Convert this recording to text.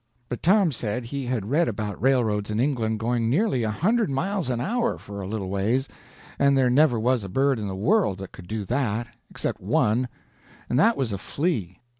But Tom said he had read about railroads in England going nearly a hundred miles an hour for a little ways, and there never was a bird in the world that could do that—except one, and that was a flea.